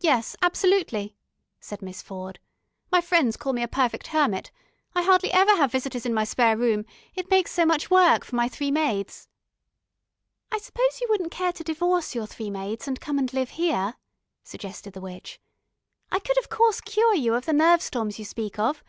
"Yes, absolutely," said Miss Ford. "My friends call me a perfect hermit. I hardly ever have visitors in my spare room, it makes so much work for my three maids." "I suppose you wouldn't care to divorce your three maids and come and live here," suggested the witch. "I could of course cure you of the nerve storms you speak of.